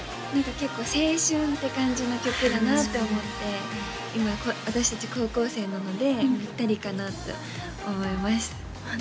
結構青春って感じの曲だなって思って今私達高校生なのでピッタリかなと思いますああ